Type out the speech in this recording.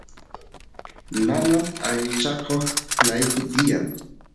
nanas allichakoq nayku tiyan